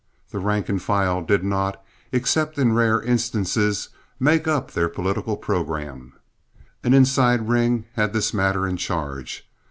The rank and file did not, except in rare instances, make up their political program. An inside ring had this matter in charge.